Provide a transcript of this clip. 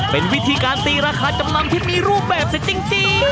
เป็นวิธีการตีราคาจำนำที่มีรูปแบบเสร็จจริง